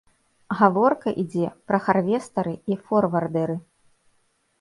Гаворка ідзе пра харвестары і форвардэры.